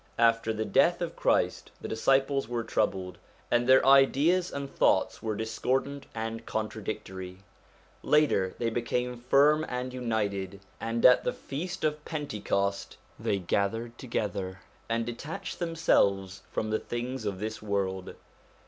After the death of Christ the disciples were troubled, and their ideas and thoughts were discordant and con tradictory ; later, they became firm and united, and at the feast of Pentecost they gathered together, and detached themselves from the things of this world.